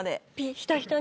ひたひたに？